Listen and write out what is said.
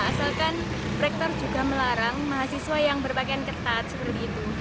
asalkan rektor juga melarang mahasiswa yang berpakaian ketat seperti itu